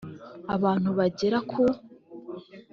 Abantu bagera ku